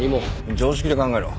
常識で考えろ。